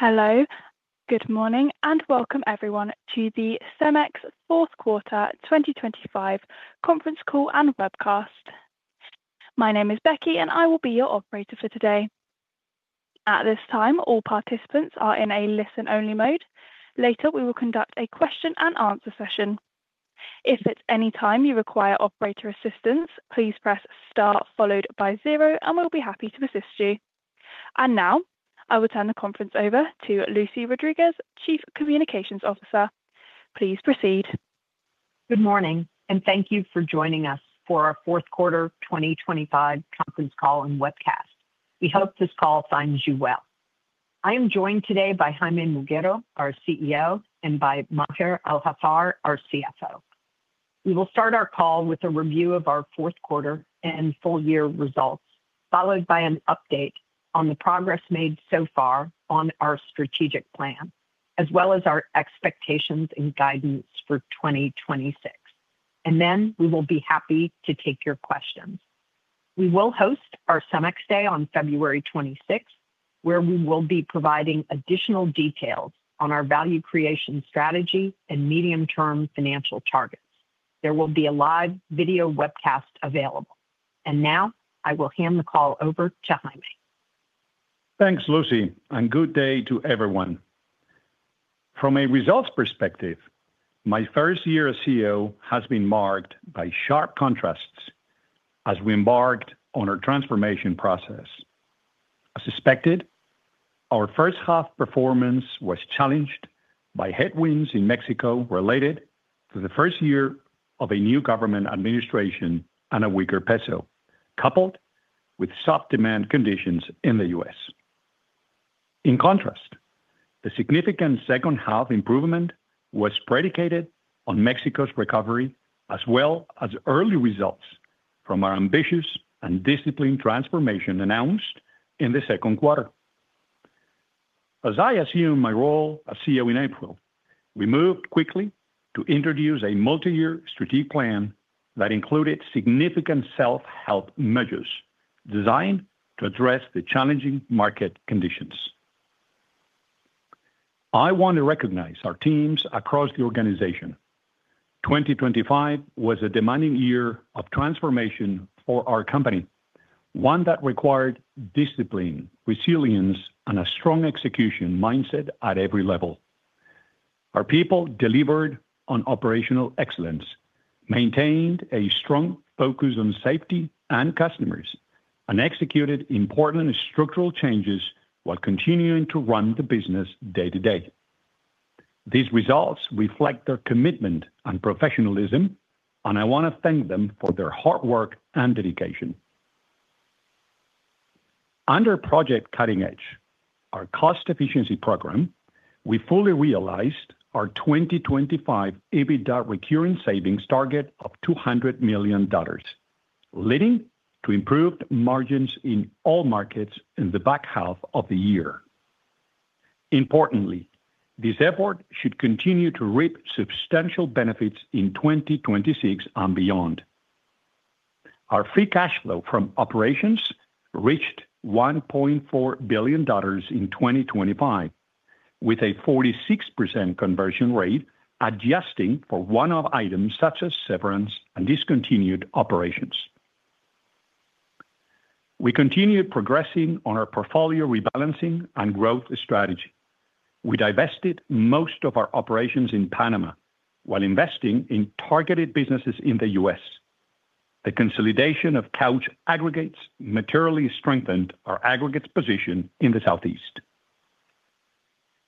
Hello, good morning, and welcome everyone to the CEMEX Fourth Quarter 2025 conference call and webcast. My name is Becky, and I will be your operator for today. At this time, all participants are in a listen-only mode. Later, we will conduct a question-and-answer session. If at any time you require operator assistance, please press star followed by zero, and we'll be happy to assist you. And now I will turn the conference over to Lucy Rodriguez, Chief Communications Officer. Please proceed. Good morning, and thank you for joining us for our fourth quarter 2025 conference call and webcast. We hope this call finds you well. I am joined today by Jaime Muguiro, our CEO, and by Maher Al-Haffar, our CFO. We will start our call with a review of our fourth quarter and full year results, followed by an update on the progress made so far on our strategic plan, as well as our expectations and guidance for 2026. And then we will be happy to take your questions. We will host our CEMEX Day on February 26th, where we will be providing additional details on our value creation strategy and medium-term financial targets. There will be a live video webcast available. And now I will hand the call over to Jaime. Thanks, Lucy, and good day to everyone. From a results perspective, my first year as CEO has been marked by sharp contrasts as we embarked on our transformation process. As suspected, our first half performance was challenged by headwinds in Mexico related to the first year of a new government administration and a weaker peso, coupled with soft demand conditions in the U.S. In contrast, the significant second-half improvement was predicated on Mexico's recovery, as well as early results from our ambitious and disciplined transformation announced in the second quarter. As I assumed my role as CEO in April, we moved quickly to introduce a multi-year strategic plan that included significant self-help measures designed to address the challenging market conditions. I want to recognize our teams across the organization. 2025 was a demanding year of transformation for our company, one that required discipline, resilience, and a strong execution mindset at every level. Our people delivered on operational excellence, maintained a strong focus on safety and customers, and executed important structural changes while continuing to run the business day-to-day. These results reflect their commitment and professionalism, and I want to thank them for their hard work and dedication. Under Project Cutting Edge, our cost efficiency program, we fully realized our 2025 EBITDA recurring savings target of $200 million, leading to improved margins in all markets in the back half of the year. Importantly, this effort should continue to reap substantial benefits in 2026 and beyond. Our free cash flow from operations reached $1.4 billion in 2025, with a 46% conversion rate, adjusting for one-off items such as severance and discontinued operations. We continued progressing on our portfolio rebalancing and growth strategy. We divested most of our operations in Panama while investing in targeted businesses in the U.S. The consolidation of Couch Aggregates materially strengthened our aggregates position in the Southeast.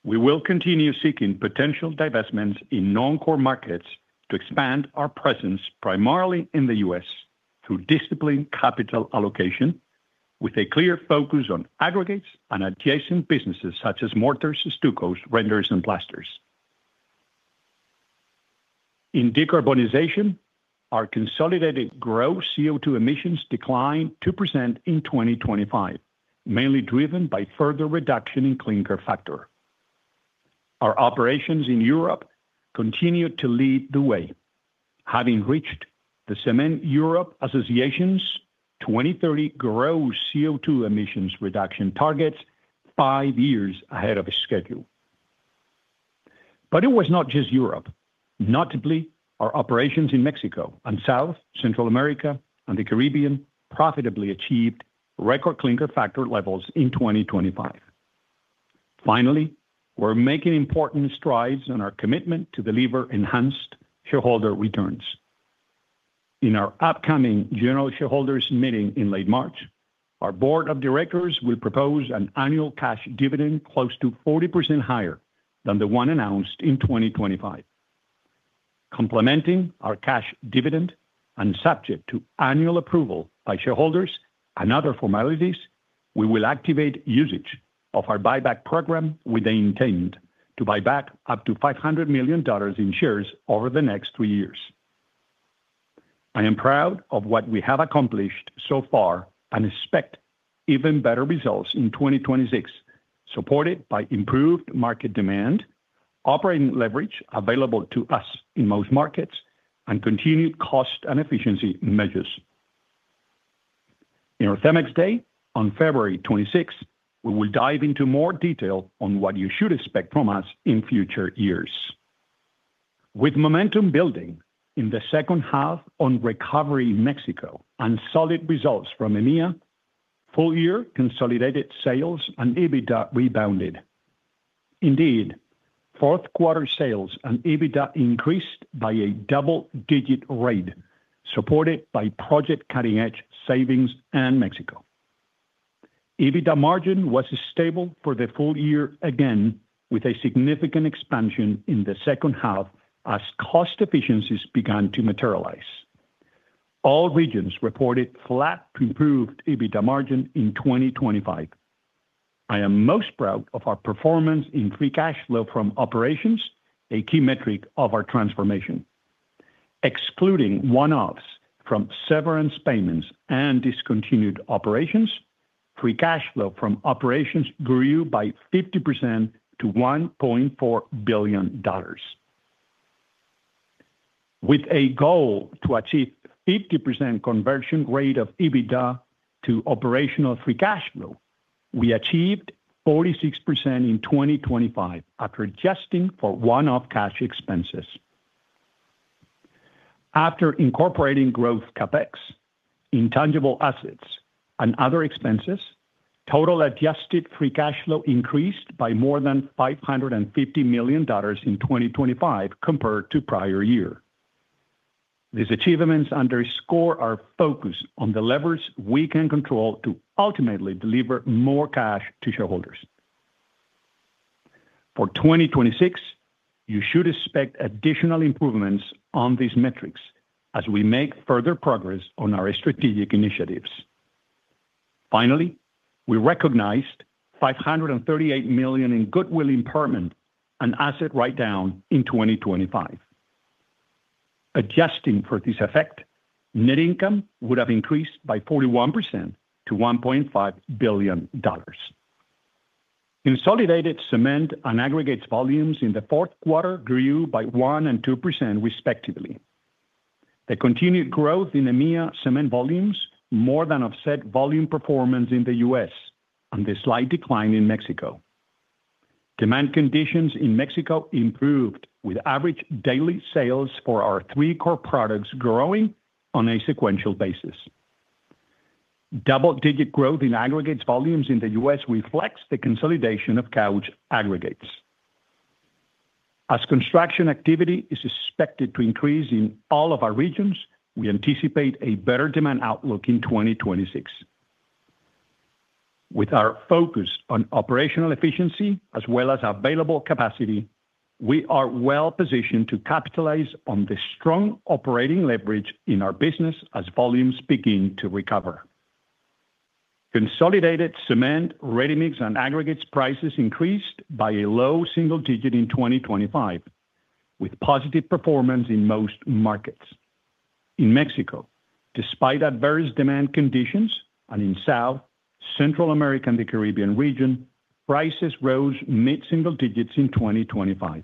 We will continue seeking potential divestments in non-core markets to expand our presence, primarily in the U.S., through disciplined capital allocation, with a clear focus on aggregates and adjacent businesses such as mortars, stuccos, renders, and plasters. In decarbonization, our consolidated gross CO2 emissions declined 2% in 2025, mainly driven by further reduction in clinker factor. Our operations in Europe continued to lead the way, having reached the Cement Europe Association's 2030 gross CO2 emissions reduction targets five years ahead of schedule. But it was not just Europe. Notably, our operations in Mexico and South Central America and the Caribbean profitably achieved record clinker factor levels in 2025. Finally, we're making important strides on our commitment to deliver enhanced shareholder returns. In our upcoming general shareholders meeting in late March, our board of directors will propose an annual cash dividend close to 40% higher than the one announced in 2025. Complementing our cash dividend and subject to annual approval by shareholders and other formalities, we will activate usage of our buyback program with the intent to buy back up to $500 million in shares over the next three years. I am proud of what we have accomplished so far and expect even better results in 2026, supported by improved market demand, operating leverage available to us in most markets, and continued cost and efficiency measures. In our CEMEX Day, on February 26th, we will dive into more detail on what you should expect from us in future years. With momentum building in the second half on recovery in Mexico and solid results from EMEA, full year consolidated sales and EBITDA rebounded. Indeed, fourth quarter sales and EBITDA increased by a double-digit rate, supported by Project Cutting Edge savings and Mexico. EBITDA margin was stable for the full year, again, with a significant expansion in the second half as cost efficiencies began to materialize. All regions reported flat to improved EBITDA margin in 2025. I am most proud of our performance in free cash flow from operations, a key metric of our transformation. Excluding one-offs from severance payments and discontinued operations, free cash flow from operations grew by 50% to $1.4 billion. With a goal to achieve 50% conversion rate of EBITDA to operational free cash flow, we achieved 46% in 2025, after adjusting for one-off cash expenses. After incorporating growth CapEx, intangible assets, and other expenses, total adjusted free cash flow increased by more than $550 million in 2025 compared to prior year. These achievements underscore our focus on the levers we can control to ultimately deliver more cash to shareholders. For 2026, you should expect additional improvements on these metrics as we make further progress on our strategic initiatives. Finally, we recognized $538 million in goodwill impairment, an asset write-down in 2025. Adjusting for this effect, net income would have increased by 41% to $1.5 billion. Consolidated cement and aggregates volumes in the fourth quarter grew by 1% and 2%, respectively. The continued growth in EMEA cement volumes more than offset volume performance in the U.S. and the slight decline in Mexico. Demand conditions in Mexico improved, with average daily sales for our three core products growing on a sequential basis. Double-digit growth in aggregates volumes in the U.S. reflects the consolidation of Couch Aggregates. As construction activity is expected to increase in all of our regions, we anticipate a better demand outlook in 2026. With our focus on operational efficiency as well as available capacity, we are well positioned to capitalize on the strong operating leverage in our business as volumes begin to recover. Consolidated cement, ready-mix, and aggregates prices increased by a low single digit in 2025, with positive performance in most markets. In Mexico, despite adverse demand conditions, and in South, Central America, and the Caribbean region, prices rose mid-single digits in 2025.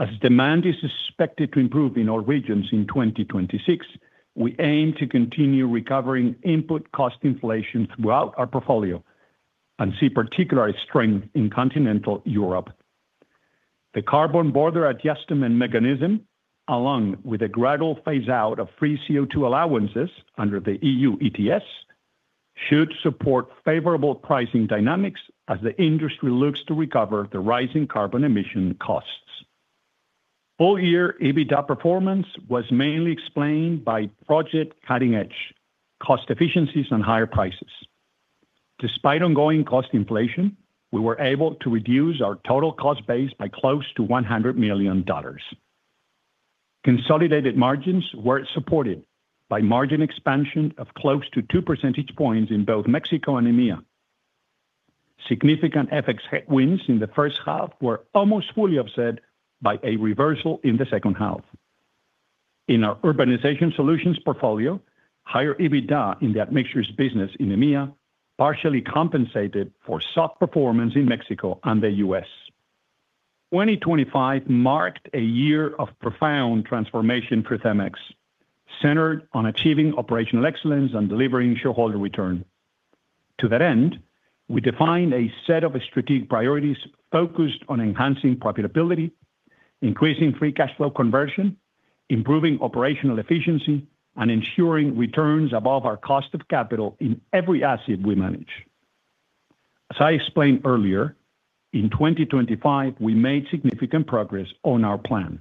As demand is expected to improve in all regions in 2026, we aim to continue recovering input cost inflation throughout our portfolio and see particular strength in continental Europe. The Carbon Border Adjustment Mechanism, along with a gradual phase-out of free CO2 allowances under the EU ETS, should support favorable pricing dynamics as the industry looks to recover the rising carbon emission costs. All year, EBITDA performance was mainly explained by Project Cutting Edge cost efficiencies and higher prices. Despite ongoing cost inflation, we were able to reduce our total cost base by close to $100 million. Consolidated margins were supported by margin expansion of close to 2 percentage points in both Mexico and EMEA. Significant FX headwinds in the first half were almost fully offset by a reversal in the second half. In our Urbanization Solutions portfolio, higher EBITDA in the admixtures business in EMEA partially compensated for soft performance in Mexico and the US. 2025 marked a year of profound transformation for CEMEX, centered on achieving operational excellence and delivering shareholder return. To that end, we defined a set of strategic priorities focused on enhancing profitability, increasing free cash flow conversion, improving operational efficiency, and ensuring returns above our cost of capital in every asset we manage. As I explained earlier, in 2025, we made significant progress on our plan.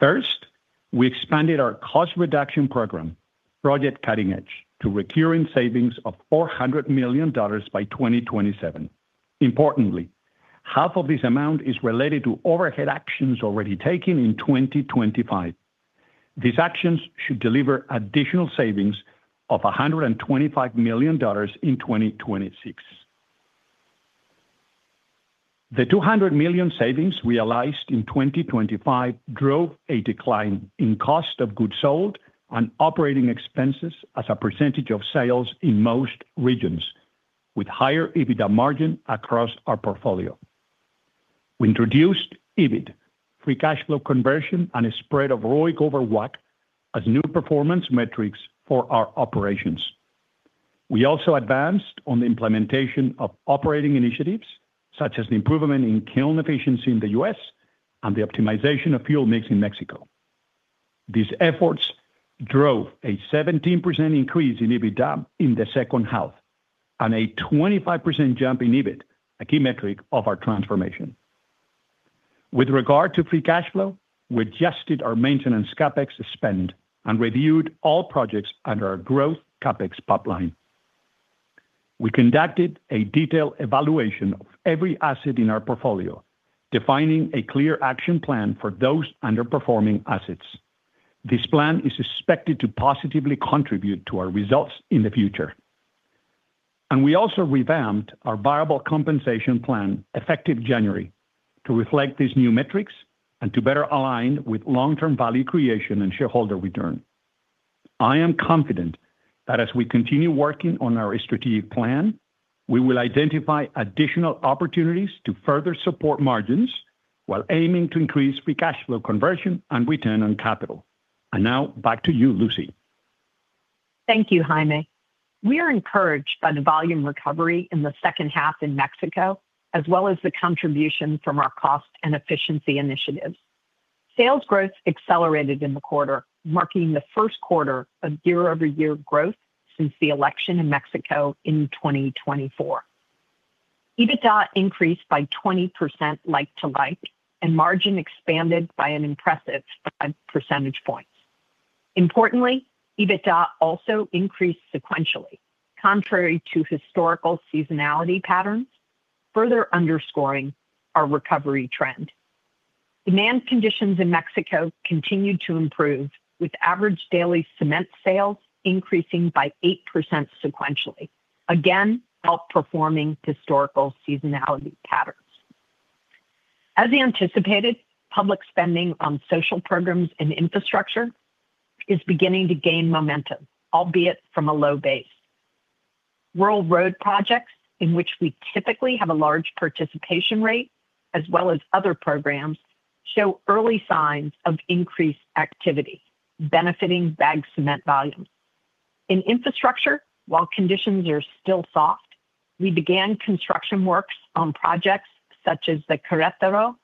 First, we expanded our cost reduction program, Project Cutting Edge, to recurring savings of $400 million by 2027. Importantly, half of this amount is related to overhead actions already taken in 2025. These actions should deliver additional savings of $125 million in 2026. The $200 million savings realized in 2025 drove a decline in cost of goods sold and operating expenses as a percentage of sales in most regions, with higher EBITDA margin across our portfolio. We introduced EBIT, free cash flow conversion, and a spread of ROIC over WACC as new performance metrics for our operations. We also advanced on the implementation of operating initiatives, such as the improvement in kiln efficiency in the US and the optimization of fuel mix in Mexico. These efforts drove a 17% increase in EBITDA in the second half, and a 25% jump in EBIT, a key metric of our transformation. With regard to free cash flow, we adjusted our maintenance CapEx spend and reviewed all projects under our growth CapEx pipeline. We conducted a detailed evaluation of every asset in our portfolio, defining a clear action plan for those underperforming assets. This plan is expected to positively contribute to our results in the future. And we also revamped our variable compensation plan, effective January, to reflect these new metrics and to better align with long-term value creation and shareholder return. I am confident that as we continue working on our strategic plan, we will identify additional opportunities to further support margins, while aiming to increase free cash flow conversion and return on capital. And now, back to you, Lucy. Thank you, Jaime. We are encouraged by the volume recovery in the second half in Mexico, as well as the contribution from our cost and efficiency initiatives. Sales growth accelerated in the quarter, marking the first quarter of year-over-year growth since the election in Mexico in 2024. EBITDA increased by 20% like-for-like, and margin expanded by an impressive 5 percentage points. Importantly, EBITDA also increased sequentially, contrary to historical seasonality patterns, further underscoring our recovery trend. Demand conditions in Mexico continued to improve, with average daily cement sales increasing by 8% sequentially, again, outperforming historical seasonality patterns. As anticipated, public spending on social programs and infrastructure is beginning to gain momentum, albeit from a low base. Rural road projects, in which we typically have a large participation rate, as well as other programs, show early signs of increased activity, benefiting bagged cement volumes. In infrastructure, while conditions are still soft, we began construction works on projects such as the Querétaro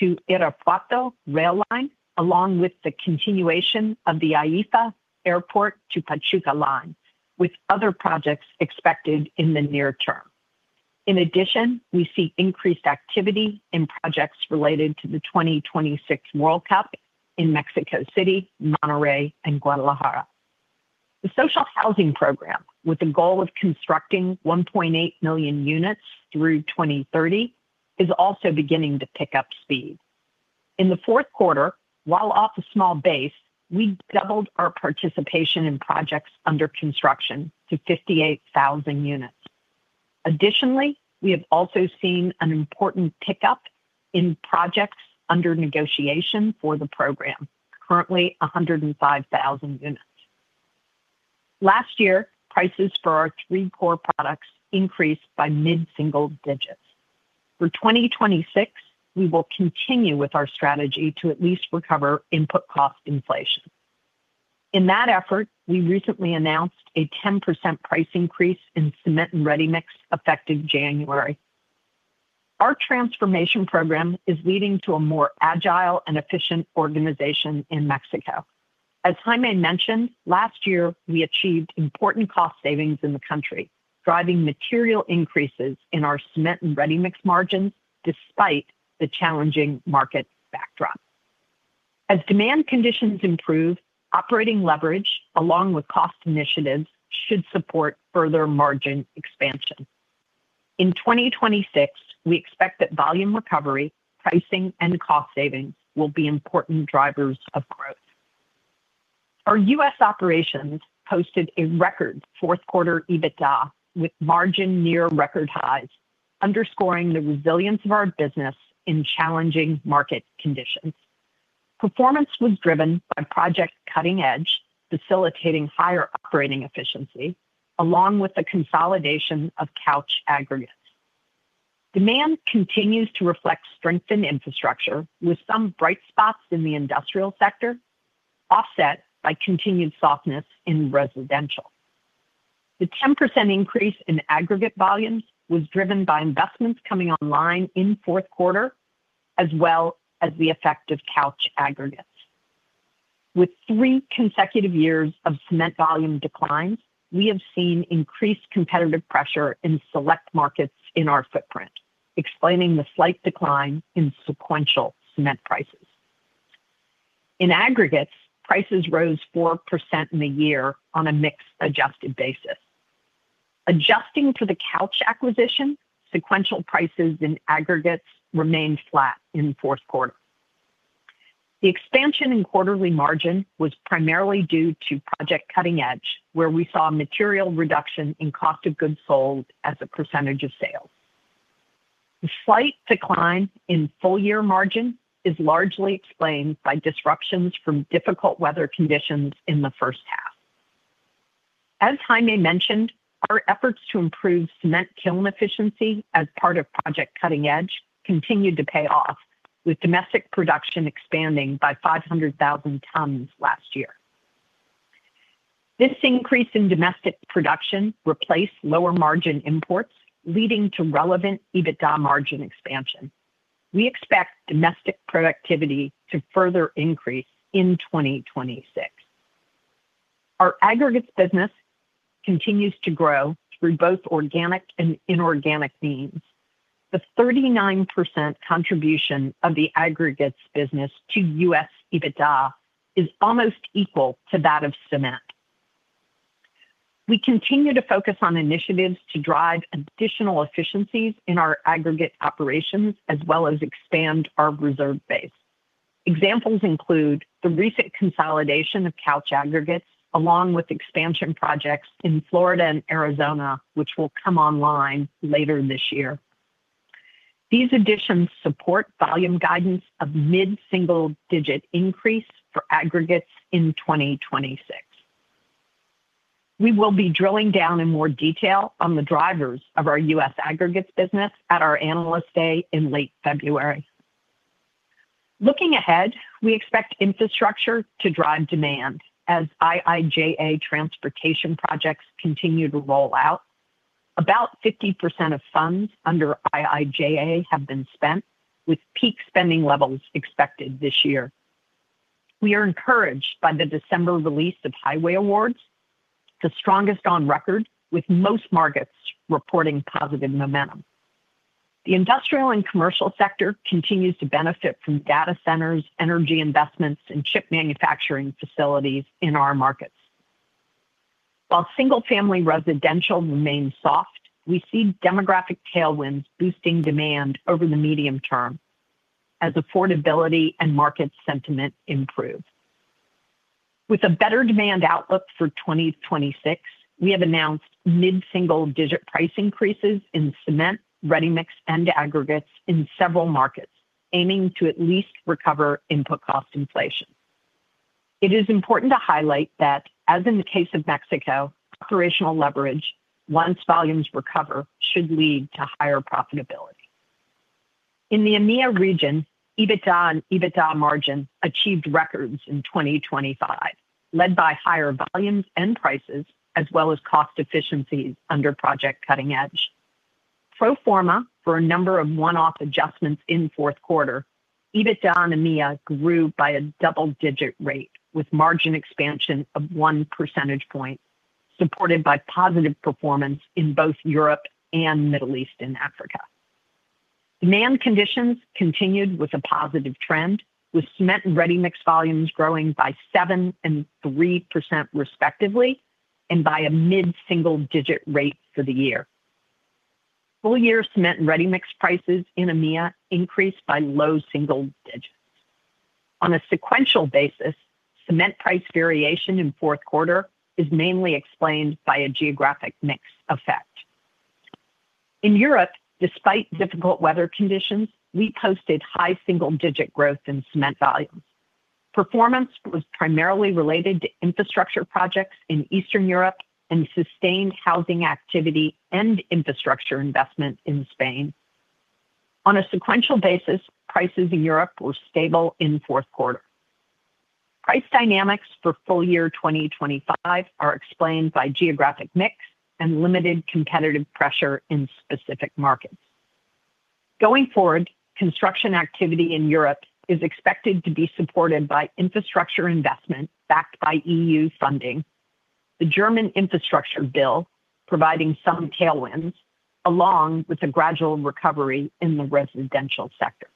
to Irapuato rail line, along with the continuation of the AIFA Airport to Pachuca line, with other projects expected in the near term. In addition, we see increased activity in projects related to the 2026 World Cup in Mexico City, Monterrey, and Guadalajara. The social housing program, with the goal of constructing 1.8 million units through 2030, is also beginning to pick up speed. In the fourth quarter, while off a small base, we doubled our participation in projects under construction to 58,000 units. Additionally, we have also seen an important pickup in projects under negotiation for the program, currently 105,000 units. Last year, prices for our three core products increased by mid-single digits. For 2026, we will continue with our strategy to at least recover input cost inflation. In that effort, we recently announced a 10% price increase in cement and ready-mix, effective January. Our transformation program is leading to a more agile and efficient organization in Mexico. As Jaime mentioned, last year, we achieved important cost savings in the country, driving material increases in our cement and ready-mix margins, despite the challenging market backdrop. As demand conditions improve, operating leverage, along with cost initiatives, should support further margin expansion. In 2026, we expect that volume recovery, pricing, and cost savings will be important drivers of growth. Our U.S. operations posted a record fourth quarter EBITDA, with margin near record highs, underscoring the resilience of our business in challenging market conditions. Performance was driven by Project Cutting Edge, facilitating higher operating efficiency, along with the consolidation of Couch Aggregates. Demand continues to reflect strengthened infrastructure, with some bright spots in the industrial sector, offset by continued softness in residential. The 10% increase in aggregate volumes was driven by investments coming online in fourth quarter, as well as the effect of Couch Aggregates. With three consecutive years of cement volume declines, we have seen increased competitive pressure in select markets in our footprint, explaining the slight decline in sequential cement prices. In aggregates, prices rose 4% in the year on a mixed adjusted basis. Adjusting to the Couch acquisition, sequential prices in aggregates remained flat in the fourth quarter. The expansion in quarterly margin was primarily due to Project Cutting Edge, where we saw a material reduction in cost of goods sold as a percentage of sales. The slight decline in full-year margin is largely explained by disruptions from difficult weather conditions in the first half.... As Jaime mentioned, our efforts to improve cement kiln efficiency as part of Project Cutting Edge continued to pay off, with domestic production expanding by 500,000 tons last year. This increase in domestic production replaced lower margin imports, leading to relevant EBITDA margin expansion. We expect domestic productivity to further increase in 2026. Our aggregates business continues to grow through both organic and inorganic means. The 39% contribution of the aggregates business to U.S. EBITDA is almost equal to that of cement. We continue to focus on initiatives to drive additional efficiencies in our aggregate operations, as well as expand our reserve base. Examples include the recent consolidation of Couch Aggregates, along with expansion projects in Florida and Arizona, which will come online later this year. These additions support volume guidance of mid-single digit increase for aggregates in 2026. We will be drilling down in more detail on the drivers of our U.S. aggregates business at our Analyst Day in late February. Looking ahead, we expect infrastructure to drive demand as IIJA transportation projects continue to roll out. About 50% of funds under IIJA have been spent, with peak spending levels expected this year. We are encouraged by the December release of highway awards, the strongest on record, with most markets reporting positive momentum. The industrial and commercial sector continues to benefit from data centers, energy investments, and chip manufacturing facilities in our markets. While single-family residential remains soft, we see demographic tailwinds boosting demand over the medium term as affordability and market sentiment improve. With a better demand outlook for 2026, we have announced mid-single digit price increases in cement, ready-mix, and aggregates in several markets, aiming to at least recover input cost inflation. It is important to highlight that, as in the case of Mexico, operational leverage, once volumes recover, should lead to higher profitability. In the EMEA region, EBITDA and EBITDA margin achieved records in 2025, led by higher volumes and prices, as well as cost efficiencies under Project Cutting Edge. Pro forma, for a number of one-off adjustments in fourth quarter, EBITDA in EMEA grew by a double-digit rate, with margin expansion of 1 percentage point, supported by positive performance in both Europe and Middle East and Africa. Demand conditions continued with a positive trend, with cement and ready-mix volumes growing by 7% and 3%, respectively, and by a mid-single digit rate for the year. Full year cement and ready-mix prices in EMEA increased by low single digits. On a sequential basis, cement price variation in fourth quarter is mainly explained by a geographic mix effect. In Europe, despite difficult weather conditions, we posted high single-digit growth in cement volumes. Performance was primarily related to infrastructure projects in Eastern Europe and sustained housing activity and infrastructure investment in Spain. On a sequential basis, prices in Europe were stable in fourth quarter. Price dynamics for full year 2025 are explained by geographic mix and limited competitive pressure in specific markets. Going forward, construction activity in Europe is expected to be supported by infrastructure investment, backed by EU funding, the German infrastructure bill, providing some tailwinds, along with a gradual recovery in the residential sector.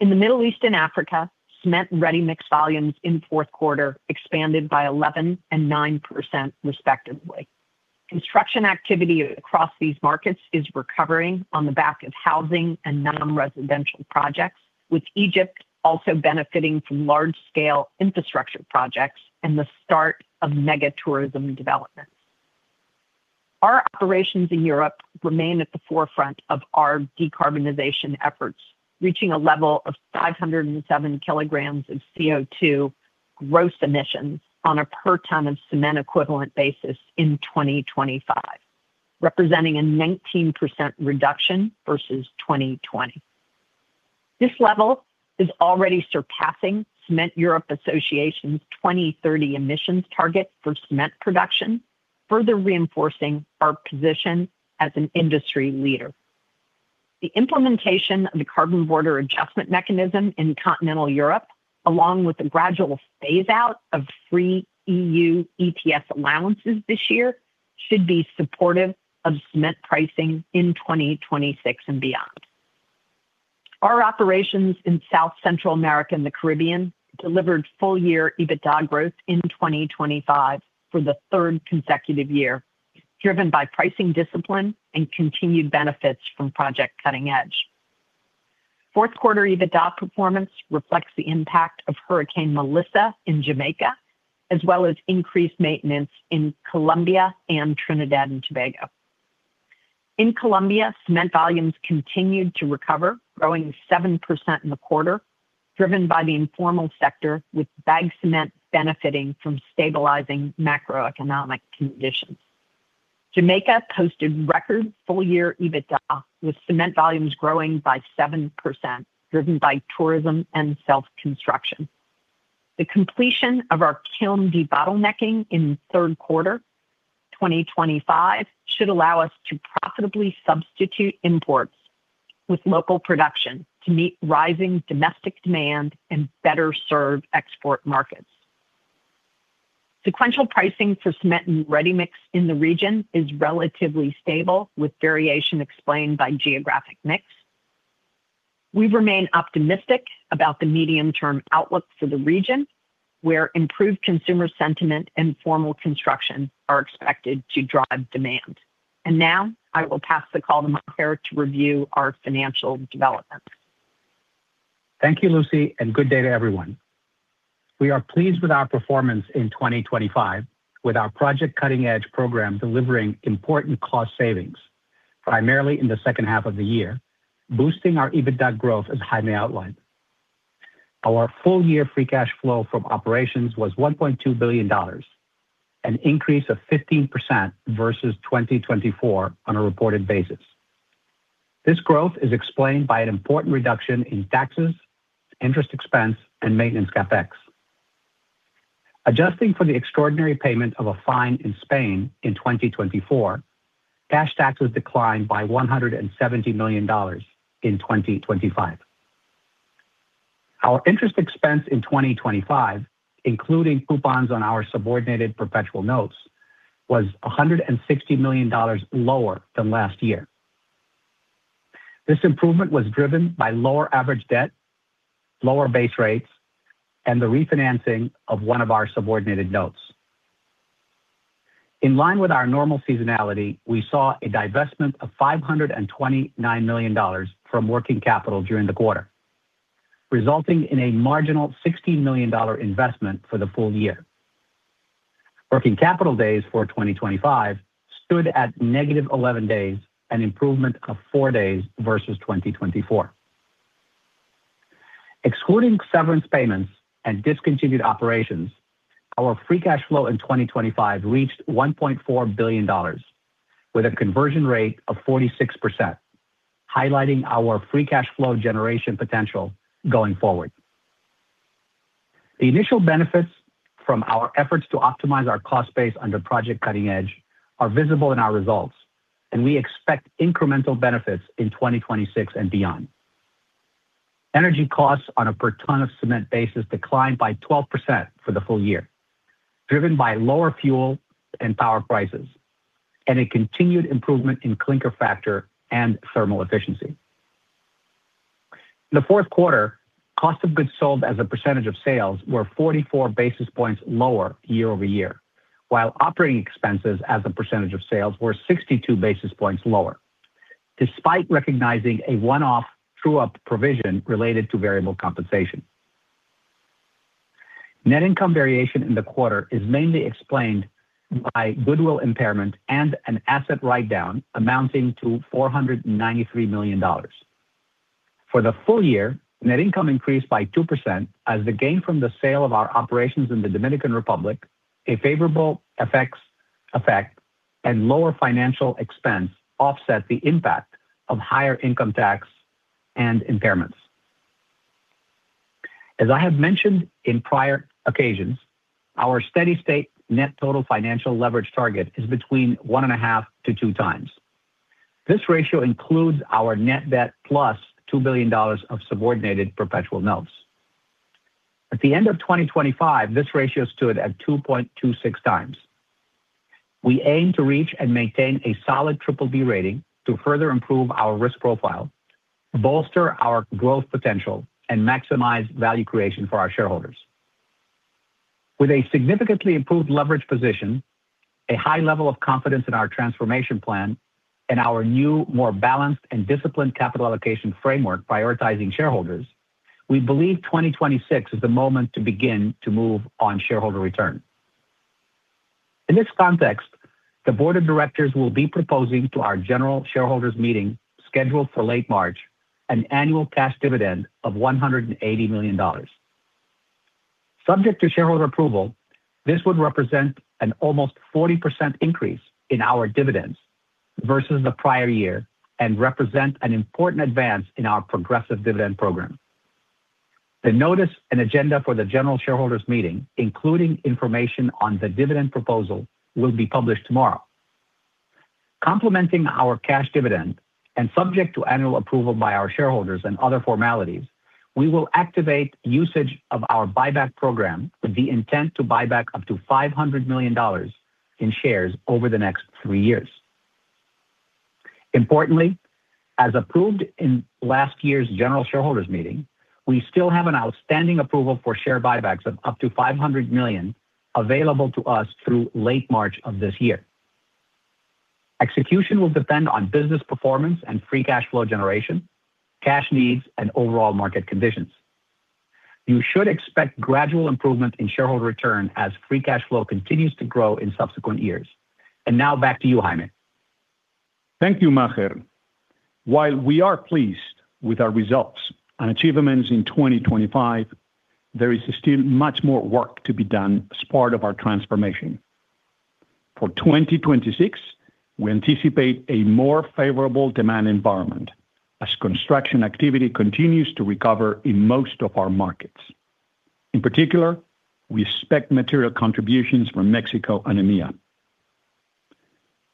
In the Middle East and Africa, cement and ready-mix volumes in fourth quarter expanded by 11% and 9%, respectively. Construction activity across these markets is recovering on the back of housing and non-residential projects, with Egypt also benefiting from large-scale infrastructure projects and the start of mega tourism development. Our operations in Europe remain at the forefront of our decarbonization efforts, reaching a level of 507 kilograms of CO2 gross emissions on a per ton of cement equivalent basis in 2025, representing a 19% reduction versus 2020. This level is already surpassing Cement Europe Association's 2030 emissions target for cement production, further reinforcing our position as an industry leader. The implementation of the Carbon Border Adjustment Mechanism in continental Europe, along with the gradual phase out of free EU ETS allowances this year, should be supportive of cement pricing in 2026 and beyond. Our operations in South Central America and the Caribbean delivered full year EBITDA growth in 2025 for the third consecutive year, driven by pricing discipline and continued benefits from Project Cutting Edge. Fourth quarter EBITDA performance reflects the impact of Hurricane Melissa in Jamaica, as well as increased maintenance in Colombia and Trinidad and Tobago. In Colombia, cement volumes continued to recover, growing 7% in the quarter, driven by the informal sector, with bagged cement benefiting from stabilizing macroeconomic conditions. Jamaica posted record full-year EBITDA, with cement volumes growing by 7%, driven by tourism and self-construction. The completion of our kiln debottlenecking in the third quarter 2025 should allow us to profitably substitute imports with local production to meet rising domestic demand and better serve export markets. Sequential pricing for cement and ready-mix in the region is relatively stable, with variation explained by geographic mix. We remain optimistic about the medium-term outlook for the region, where improved consumer sentiment and formal construction are expected to drive demand. And now, I will pass the call to Maher Al-Haffar to review our financial developments. Thank you, Lucy, and good day to everyone. We are pleased with our performance in 2025, with our Project Cutting Edge program delivering important cost savings, primarily in the second half of the year, boosting our EBITDA growth, as Jaime outlined. Our full-year free cash flow from operations was $1.2 billion, an increase of 15% versus 2024 on a reported basis. This growth is explained by an important reduction in taxes, interest expense, and maintenance CapEx. Adjusting for the extraordinary payment of a fine in Spain in 2024, cash tax was declined by $170 million in 2025. Our interest expense in 2025, including coupons on our subordinated perpetual notes, was $160 million lower than last year. This improvement was driven by lower average debt, lower base rates, and the refinancing of one of our subordinated notes. In line with our normal seasonality, we saw a divestment of $529 million from working capital during the quarter, resulting in a marginal $16 million investment for the full year. Working capital days for 2025 stood at negative 11 days, an improvement of four days versus 2024. Excluding severance payments and discontinued operations, our free cash flow in 2025 reached $1.4 billion, with a conversion rate of 46%, highlighting our free cash flow generation potential going forward. The initial benefits from our efforts to optimize our cost base under Project Cutting Edge are visible in our results, and we expect incremental benefits in 2026 and beyond. Energy costs on a per ton of cement basis declined by 12% for the full year, driven by lower fuel and power prices, and a continued improvement in clinker factor and thermal efficiency. In the fourth quarter, cost of goods sold as a percentage of sales were 44 basis points lower year-over-year, while operating expenses as a percentage of sales were 62 basis points lower, despite recognizing a one-off true-up provision related to variable compensation. Net income variation in the quarter is mainly explained by goodwill impairment and an asset write-down amounting to $493 million. For the full year, net income increased by 2% as the gain from the sale of our operations in the Dominican Republic, a favorable effect, and lower financial expense offset the impact of higher income tax and impairments. As I have mentioned in prior occasions, our steady-state net total financial leverage target is between 1.5-2 times. This ratio includes our net debt plus $2 billion of subordinated perpetual notes. At the end of 2025, this ratio stood at 2.26 times. We aim to reach and maintain a solid triple B rating to further improve our risk profile, bolster our growth potential, and maximize value creation for our shareholders. With a significantly improved leverage position, a high level of confidence in our transformation plan, and our new, more balanced and disciplined capital allocation framework prioritizing shareholders, we believe 2026 is the moment to begin to move on shareholder return. In this context, the board of directors will be proposing to our general shareholders meeting, scheduled for late March, an annual cash dividend of $180 million. Subject to shareholder approval, this would represent an almost 40% increase in our dividends versus the prior year and represent an important advance in our progressive dividend program. The notice and agenda for the general shareholders meeting, including information on the dividend proposal, will be published tomorrow. Complementing our cash dividend and subject to annual approval by our shareholders and other formalities, we will activate usage of our buyback program with the intent to buy back up to $500 million in shares over the next three years. Importantly, as approved in last year's general shareholders meeting, we still have an outstanding approval for share buybacks of up to $500 million available to us through late March of this year. Execution will depend on business performance and Free Cash Flow generation, cash needs, and overall market conditions.... you should expect gradual improvement in shareholder return as free cash flow continues to grow in subsequent years. And now back to you, Jaime. Thank you, Maher. While we are pleased with our results and achievements in 2025, there is still much more work to be done as part of our transformation. For 2026, we anticipate a more favorable demand environment as construction activity continues to recover in most of our markets. In particular, we expect material contributions from Mexico and EMEA.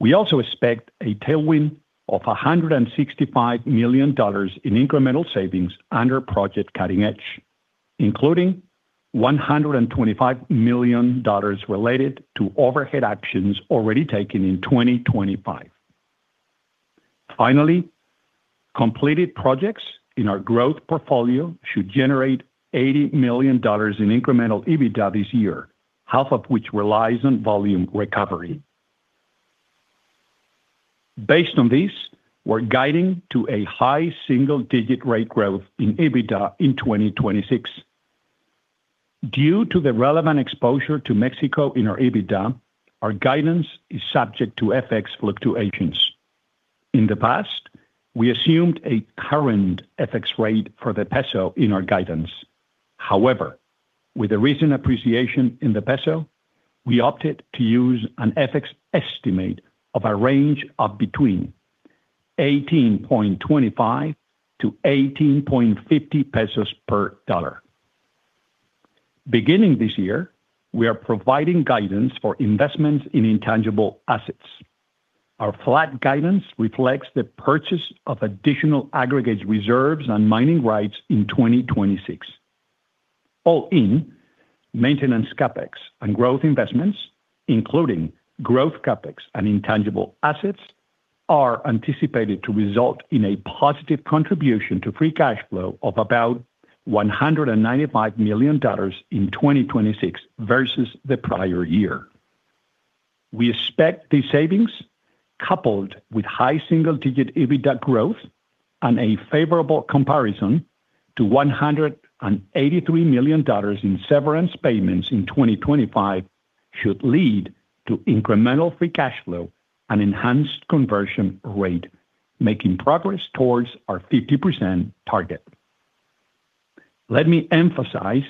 We also expect a tailwind of $165 million in incremental savings under Project Cutting Edge, including $125 million related to overhead actions already taken in 2025. Finally, completed projects in our growth portfolio should generate $80 million in incremental EBITDA this year, half of which relies on volume recovery. Based on this, we're guiding to a high single-digit rate growth in EBITDA in 2026. Due to the relevant exposure to Mexico in our EBITDA, our guidance is subject to FX fluctuations. In the past, we assumed a current FX rate for the peso in our guidance. However, with the recent appreciation in the peso, we opted to use an FX estimate of a range of between 18.25-18.50 pesos per dollar. Beginning this year, we are providing guidance for investments in intangible assets. Our flat guidance reflects the purchase of additional aggregate reserves and mining rights in 2026. All in, maintenance CapEx and growth investments, including growth CapEx and intangible assets, are anticipated to result in a positive contribution to free cash flow of about $195 million in 2026 versus the prior year. We expect these savings, coupled with high single-digit EBITDA growth and a favorable comparison to $183 million in severance payments in 2025, should lead to incremental free cash flow and enhanced conversion rate, making progress towards our 50% target. Let me emphasize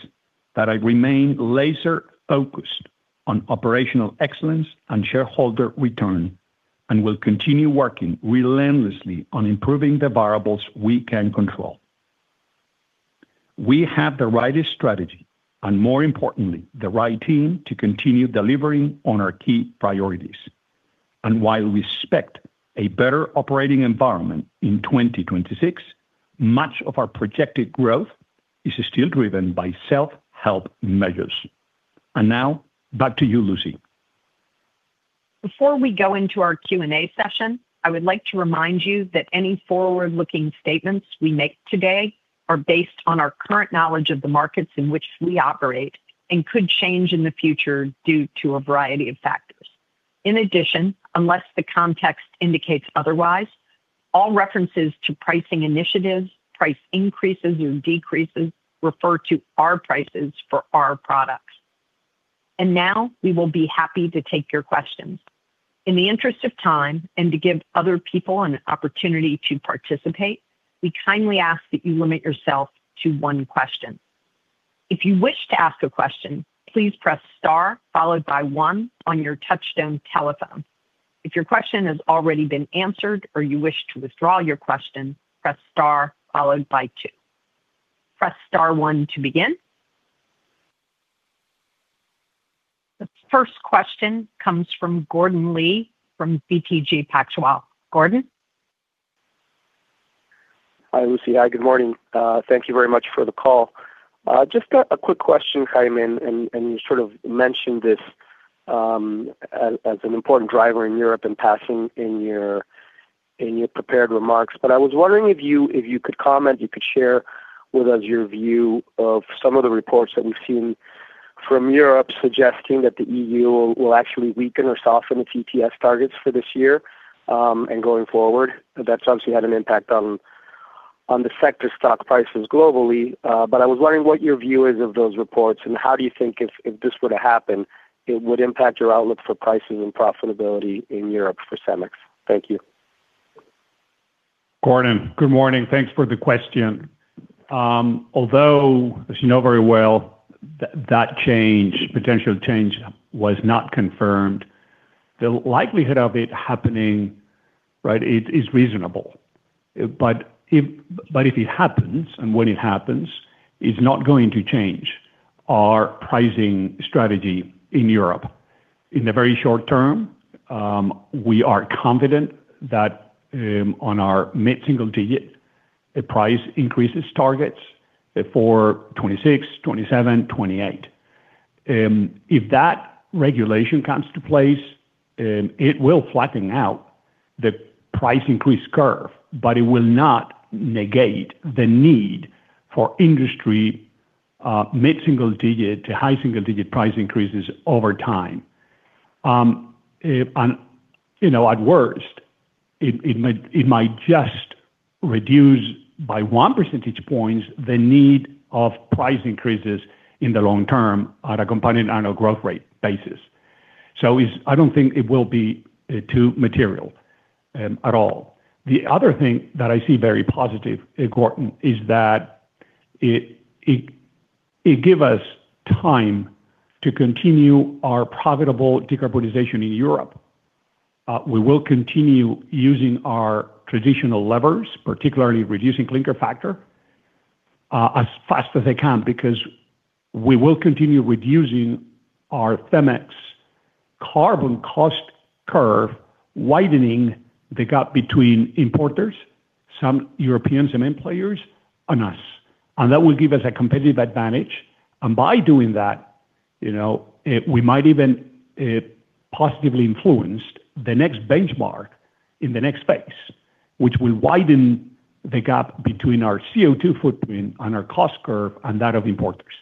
that I remain laser-focused on operational excellence and shareholder return, and will continue working relentlessly on improving the variables we can control. We have the right strategy and, more importantly, the right team to continue delivering on our key priorities. While we expect a better operating environment in 2026, much of our projected growth is still driven by self-help measures. Now, back to you, Lucy. Before we go into our Q&A session, I would like to remind you that any forward-looking statements we make today are based on our current knowledge of the markets in which we operate and could change in the future due to a variety of factors. In addition, unless the context indicates otherwise, all references to pricing initiatives, price increases or decreases, refer to our prices for our products. Now we will be happy to take your questions. In the interest of time and to give other people an opportunity to participate, we kindly ask that you limit yourself to one question. If you wish to ask a question, please press star, followed by one on your touchtone telephone. If your question has already been answered or you wish to withdraw your question, press star followed by two. Press star one to begin. The first question comes from Gordon Lee, from BTG Pactual. Gordon? Hi, Lucy. Hi, good morning. Thank you very much for the call. Just a quick question, Jaime, and you sort of mentioned this, as an important driver in Europe in passing in your prepared remarks. But I was wondering if you could comment, you could share with us your view of some of the reports that we've seen from Europe suggesting that the EU will actually weaken or soften its ETS targets for this year, and going forward. That's obviously had an impact on the sector stock prices globally. But I was wondering what your view is of those reports, and how do you think if this were to happen, it would impact your outlook for prices and profitability in Europe for CEMEX? Thank you. Gordon, good morning. Thanks for the question. Although, as you know very well, that change, potential change was not confirmed, the likelihood of it happening, right, it is reasonable. But if it happens, and when it happens, it's not going to change our pricing strategy in Europe. In the very short term, we are confident that on our mid-single digit price increases targets for 2026, 2027, 2028. If that regulation comes into place, it will flatten out the price increase curve, but it will not negate the need for industry mid-single digit to high single digit price increases over time. And, you know, at worst, it might just reduce by 1 percentage point the need of price increases in the long term at a compound annual growth rate basis. So it's, I don't think it will be too material at all. The other thing that I see very positive, Gordon, is that it gives us time to continue our profitable decarbonization in Europe. We will continue using our traditional levers, particularly reducing clinker factor, as fast as they can, because we will continue with using our CEMEX carbon cost curve, widening the gap between importers, some European cement players, and us, and that will give us a competitive advantage. And by doing that, you know, we might even positively influenced the next benchmark in the next phase, which will widen the gap between our CO2 footprint and our cost curve and that of importers.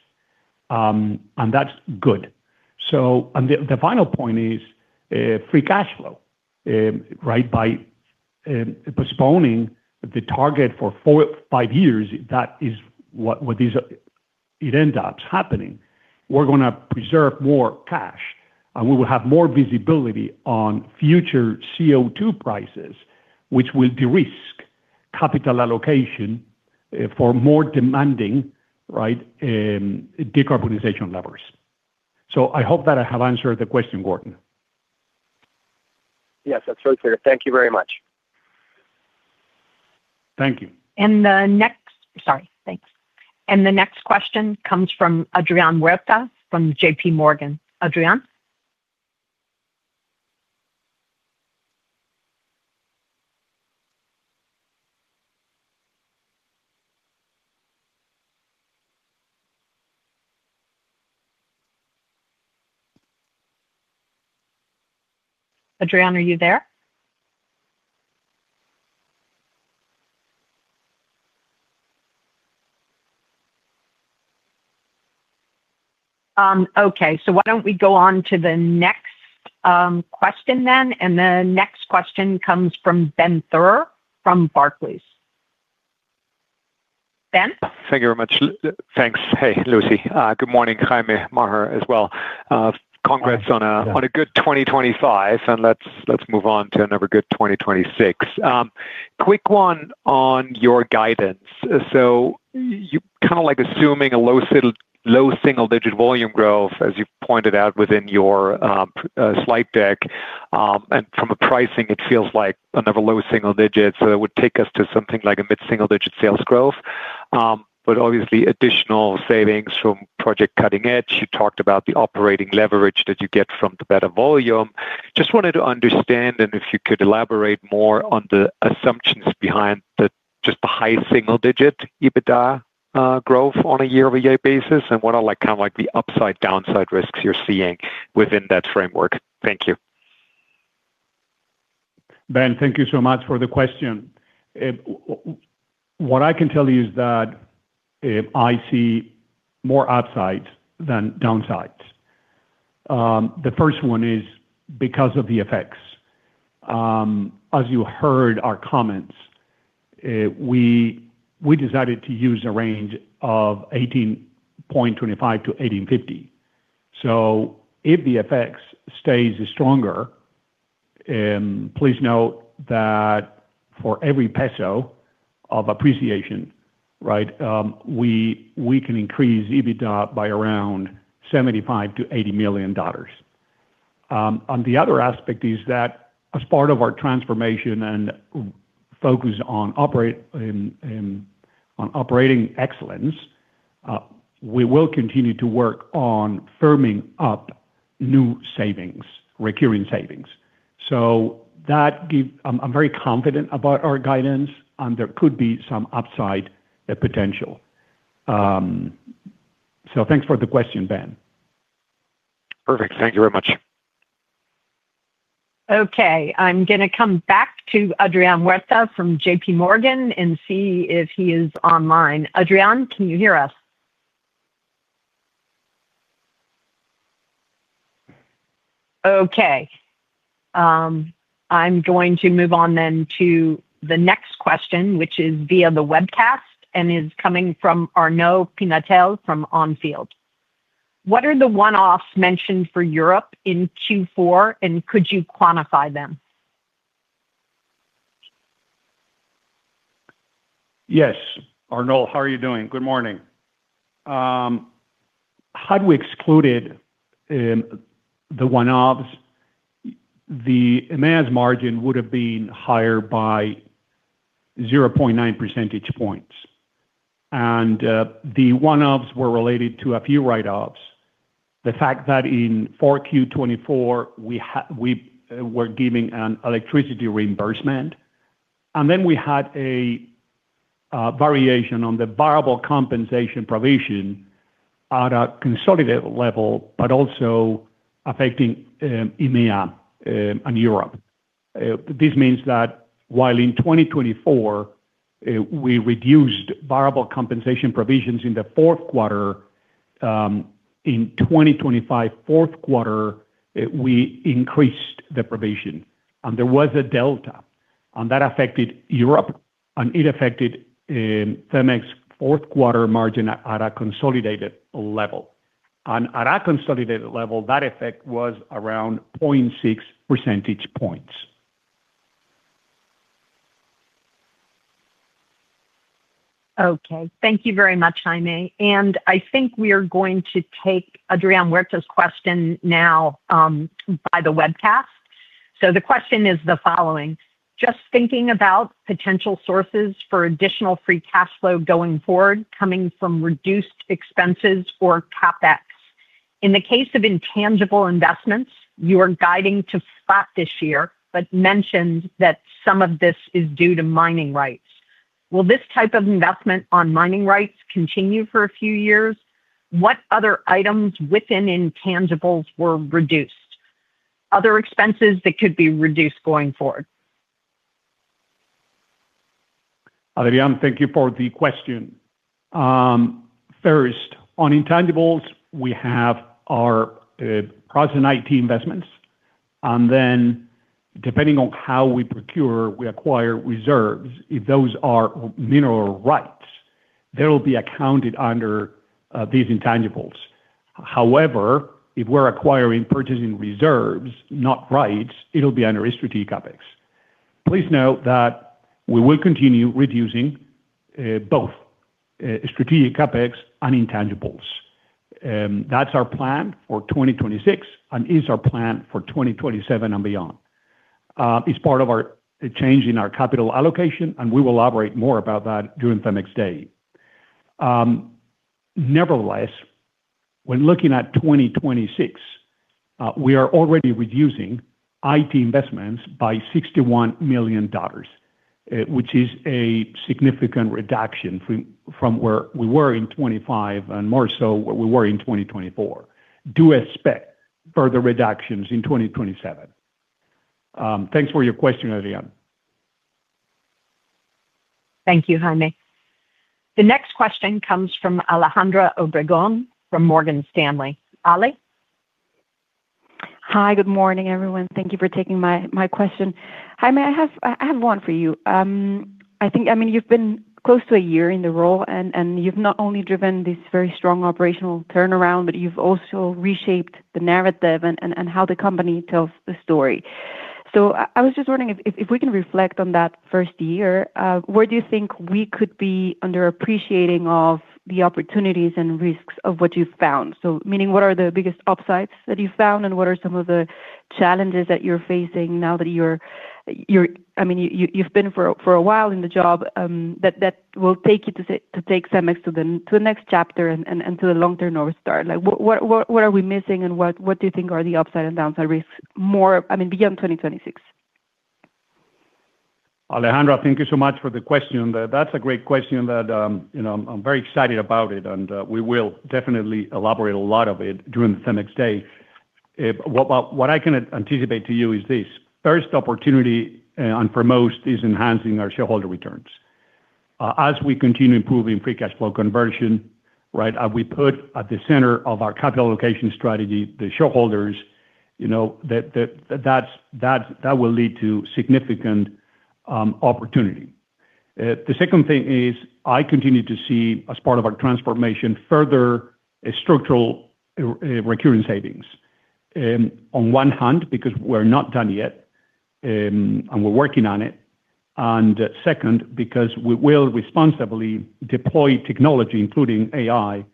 And that's good. The final point is free cash flow. Right. By postponing the target for 4-5 years, that is what it ends up happening. We're gonna preserve more cash, and we will have more visibility on future CO2 prices, which will de-risk capital allocation for more demanding, right, decarbonization levers. So I hope that I have answered the question, Gordon. Yes, that's so clear. Thank you very much. Thank you. The next... Sorry, thanks. The next question comes from Adrian Huerta, from J.P. Morgan. Adrian? Adrian, are you there? Okay, so why don't we go on to the next question then? The next question comes from Ben Theurer from Barclays. Ben? Thank you very much. Thanks. Hey, Lucy. Good morning, Jaime, Maher as well. Congrats on a- Yeah. -on a good 2025, and let's, let's move on to another good 2026. Quick one on your guidance. So you kind of like assuming a low single-digit volume growth, as you pointed out within your slide deck. And from a pricing, it feels like another low single digits that would take us to something like a mid-single-digit sales growth. But obviously, additional savings from Project Cutting Edge. You talked about the operating leverage that you get from the better volume. Just wanted to understand, and if you could elaborate more on the assumptions behind the, just the high single-digit EBITDA growth on a year-over-year basis, and what are like, kind of like the upside, downside risks you're seeing within that framework. Thank you. Ben, thank you so much for the question. What I can tell you is that, I see more upsides than downsides. The first one is because of the effects. As you heard our comments, we decided to use a range of 18.25-18.50. So if the effects stays stronger, please note that for every peso of appreciation, we can increase EBITDA by around $75 million-$80 million. And the other aspect is that as part of our transformation and focus on operate on operating excellence, we will continue to work on firming up new savings, recurring savings. So that. I'm very confident about our guidance, and there could be some upside potential. So thanks for the question, Ben. Perfect. Thank you very much. Okay, I'm gonna come back to Adrian Huerta from J.P. Morgan and see if he is online. Adrian, can you hear us? Okay, I'm going to move on then to the next question, which is via the webcast and is coming from Arnaud Pinatel from Onfield. What are the one-offs mentioned for Europe in Q4, and could you quantify them? Yes, Arnaud, how are you doing? Good morning. Had we excluded the one-offs, the EMEA margin would have been higher by 0.9 percentage points. And the one-offs were related to a few write-offs. The fact that in 4Q 2024, we were giving an electricity reimbursement, and then we had a variation on the variable compensation provision at a consolidated level, but also affecting EMEA and Europe. This means that while in 2024, we reduced variable compensation provisions in the fourth quarter, in 2025 fourth quarter, we increased the provision, and there was a delta, and that affected Europe, and it affected CEMEX fourth quarter margin at a consolidated level. And at our consolidated level, that effect was around 0.6 percentage points. Okay. Thank you very much, Jaime. And I think we are going to take Adrian Huerta's question now, by the webcast. So the question is the following: Just thinking about potential sources for additional free cash flow going forward, coming from reduced expenses or CapEx. In the case of intangible investments, you are guiding to spot this year, but mentioned that some of this is due to mining rights. Will this type of investment on mining rights continue for a few years? What other items within intangibles were reduced? Other expenses that could be reduced going forward. Adrian, thank you for the question. First, on intangibles, we have our cross and IT investments, and then depending on how we procure, we acquire reserves. If those are mineral rights, they will be accounted under these intangibles. However, if we're acquiring purchasing reserves, not rights, it'll be under strategic CapEx. Please note that we will continue reducing both strategic CapEx and intangibles. That's our plan for 2026, and is our plan for 2027 and beyond. It's part of our change in our capital allocation, and we will elaborate more about that during the next day. Nevertheless, when looking at 2026, we are already reducing IT investments by $61 million, which is a significant reduction from where we were in 2025, and more so where we were in 2024.Do expect further reductions in 2027. Thanks for your question, Adrian. Thank you, Jaime. The next question comes from Alejandra Obregón, from Morgan Stanley. Ale? Hi, good morning, everyone. Thank you for taking my question. Jaime, I have one for you. I think, I mean, you've been close to a year in the role, and you've not only driven this very strong operational turnaround, but you've also reshaped the narrative and how the company tells the story. So I was just wondering if we can reflect on that first year, where do you think we could be underappreciating the opportunities and risks of what you've found? So, meaning, what are the biggest upsides that you found, and what are some of the challenges that you're facing now that you're—I mean, you've been for a while in the job, that will take you to take CEMEX to the next chapter and to the long-term North Star? Like, what are we missing and what do you think are the upside and downside risks more, I mean, beyond 2026? Alejandra, thank you so much for the question. That's a great question that, you know, I'm very excited about it, and we will definitely elaborate a lot of it during the CEMEX Day. What I can anticipate to you is this, first opportunity, and for most, is enhancing our shareholder returns. As we continue improving free cash flow conversion, right, and we put at the center of our capital allocation strategy, the shareholders, you know, that will lead to significant opportunity. The second thing is, I continue to see, as part of our transformation, further structural recurring savings. On one hand, because we're not done yet, and we're working on it, and second, because we will responsibly deploy technology, including AI,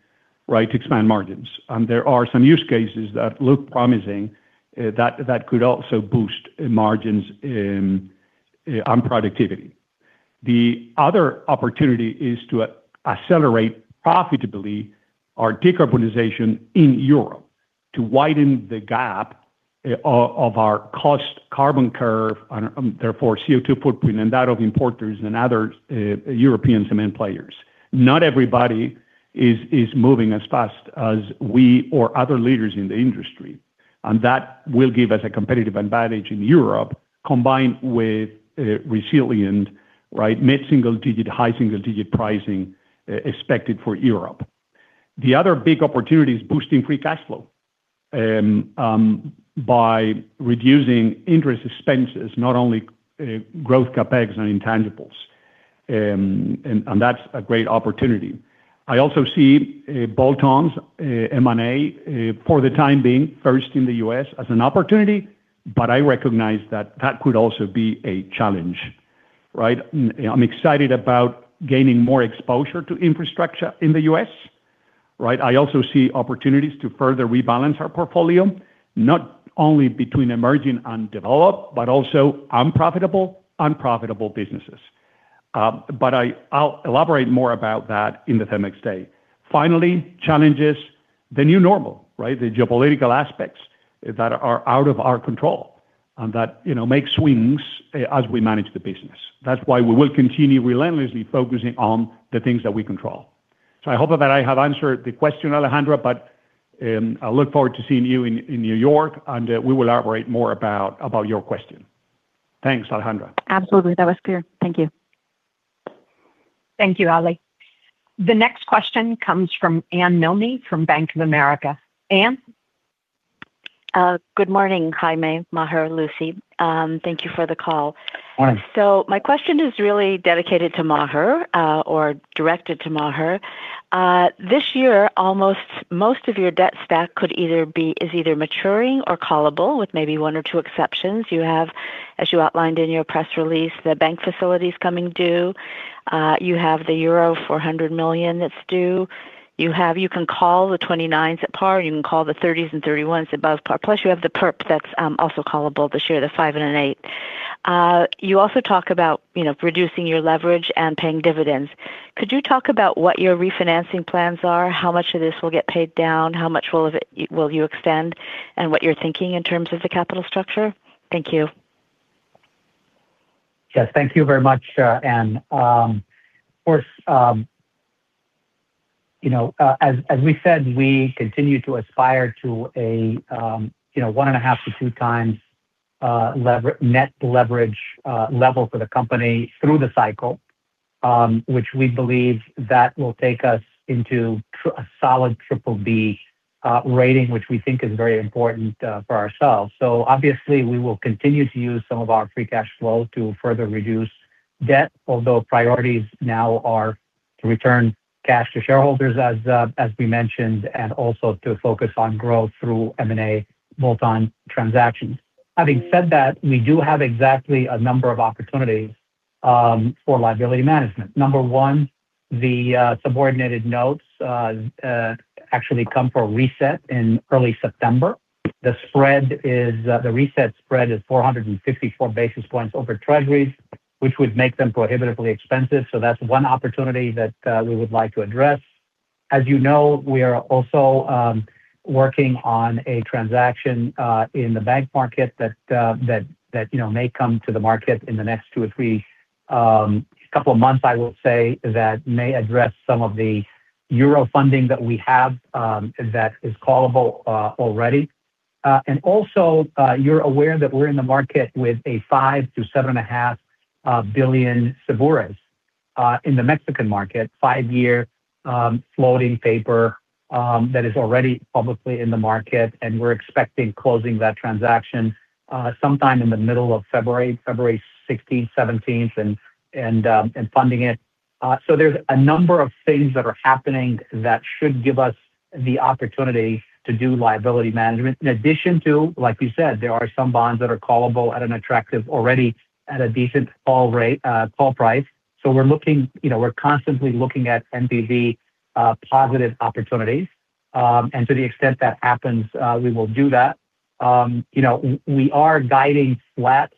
right, to expand margins. There are some use cases that look promising, that could also boost margins on productivity. The other opportunity is to accelerate profitably our decarbonization in Europe to widen the gap of our cost carbon curve and therefore CO2 footprint, and that of importers and other European cement players. Not everybody is moving as fast as we or other leaders in the industry, and that will give us a competitive advantage in Europe, combined with resilient, right, mid-single digit, high single digit pricing expected for Europe. The other big opportunity is boosting free cash flow by reducing interest expenses, not only growth CapEx and intangibles. And that's a great opportunity. I also see bolt-ons M&A for the time being, first in the U.S., as an opportunity, but I recognize that that could also be a challenge, right? I'm excited about gaining more exposure to infrastructure in the U.S. Right? I also see opportunities to further rebalance our portfolio, not only between emerging and developed, but also unprofitable, unprofitable businesses. But I'll elaborate more about that in the CEMEX Day. Finally, challenges, the new normal, right? The geopolitical aspects that are out of our control, and that, you know, make swings as we manage the business. That's why we will continue relentlessly focusing on the things that we control. So I hope that I have answered the question, Alejandra, but... And I look forward to seeing you in New York, and we will elaborate more about your question. Thanks, Alejandra. Absolutely. That was clear. Thank you. Thank you, Ali. The next question comes from Anne Milne from Bank of America. Anne? Good morning, Jaime, Maher, Lucy. Thank you for the call. Morning. So my question is really dedicated to Maher, or directed to Maher. This year, almost most of your debt stack is either maturing or callable, with maybe one or two exceptions. You have, as you outlined in your press release, the bank facilities coming due. You have the euro 400 million that's due. You can call the twenty-nines at par, you can call the thirties and thirty-ones above par, plus you have the perp that's also callable this year, the five and an eight. You also talk about, you know, reducing your leverage and paying dividends. Could you talk about what your refinancing plans are? How much of this will get paid down, how much will of it will you extend, and what you're thinking in terms of the capital structure? Thank you. Yes, thank you very much, Anne. Of course, you know, as we said, we continue to aspire to a 1.5-2 times net leverage level for the company through the cycle, which we believe that will take us into a solid BBB rating, which we think is very important for ourselves. So obviously, we will continue to use some of our free cash flow to further reduce debt, although priorities now are to return cash to shareholders as we mentioned, and also to focus on growth through M&A bolt-on transactions. Having said that, we do have exactly a number of opportunities for liability management. Number one, the subordinated notes actually come for reset in early September. The spread is, the reset spread is 454 basis points over treasuries, which would make them prohibitively expensive. So that's one opportunity that, we would like to address. As you know, we are also, working on a transaction, in the bank market that, that you know, may come to the market in the next 2 or 3 couple of months, I will say. That may address some of the euro funding that we have, that is callable, already. And also, you're aware that we're in the market with 5 billion-7.5 billion Cebures, in the Mexican market. Five-year floating paper that is already publicly in the market, and we're expecting closing that transaction sometime in the middle of February, February sixteenth, seventeenth, and funding it. So there's a number of things that are happening that should give us the opportunity to do liability management, in addition to, like you said, there are some bonds that are callable at an attractive, already at a decent call rate, call price. So we're looking... You know, we're constantly looking at NPV positive opportunities. And to the extent that happens, we will do that. You know, we are guiding flat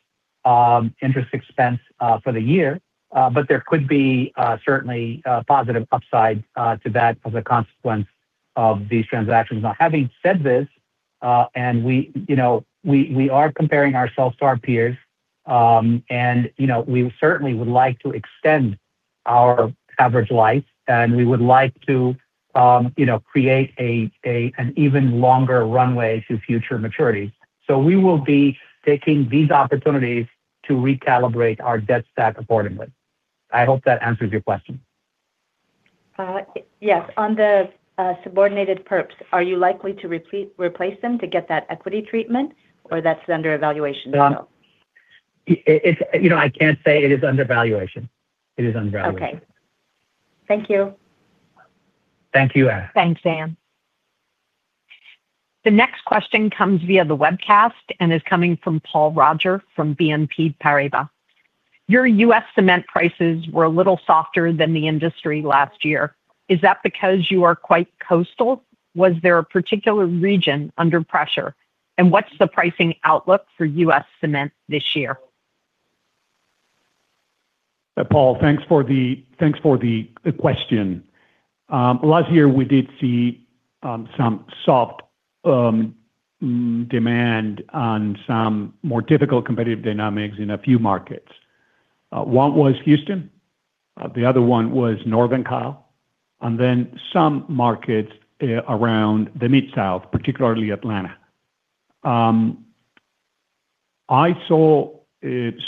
interest expense for the year, but there could be certainly a positive upside to that as a consequence of these transactions. Now, having said this, and we, you know, we are comparing ourselves to our peers, and, you know, we certainly would like to extend our average life, and we would like to, you know, create an even longer runway to future maturities. So we will be taking these opportunities to recalibrate our debt stack accordingly. I hope that answers your question. Yes. On the subordinated perps, are you likely to replace them to get that equity treatment, or that's under evaluation as well? You know, I can't say it is under valuation. It is under valuation. Okay. Thank you. Thank you, Anne. Thanks, Anne. The next question comes via the webcast and is coming from Paul Roger from BNP Paribas. Your U.S. cement prices were a little softer than the industry last year. Is that because you are quite coastal? Was there a particular region under pressure? And what's the pricing outlook for U.S. cement this year? Paul, thanks for the question. Last year we did see some soft demand on some more difficult competitive dynamics in a few markets. One was Houston, the other one was Northern California, and then some markets around the Mid-South, particularly Atlanta. I saw